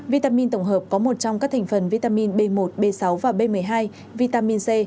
vitamin tổng hợp có một trong các thành phần vitamin b một b sáu và b một mươi hai vitamin c